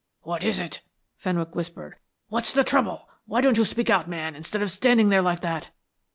"What is it?" Fenwick whispered. "What's the trouble? Why don't you speak out, man, instead of standing there like that?"